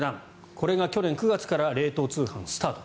これが去年９月から冷凍通販スタート。